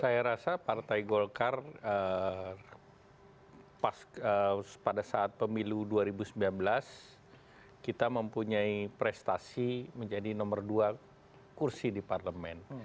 saya rasa partai golkar pada saat pemilu dua ribu sembilan belas kita mempunyai prestasi menjadi nomor dua kursi di parlemen